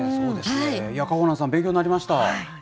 かほなんさん、勉強になりました。